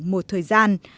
một thời gian